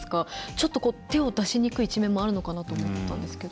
ちょっと手を出しにくい一面もあるのかなと思ったんですけど。